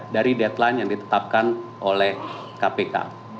dari deadline yang ditetapkan oleh kpk